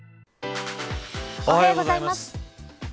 おはようございます。